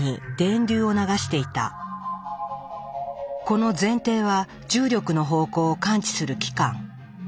この前庭は重力の方向を感知する器官。